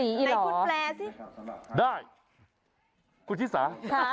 ไหนคุณแปลสิได้คุณชิสา